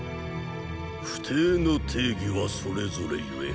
不貞の定義はそれぞれ故